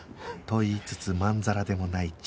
と言いつつまんざらでもない